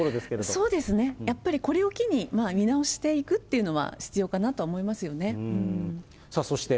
そうですね、やっぱりこれを機に、見直していくっていうのは必要かなとは思いますよね。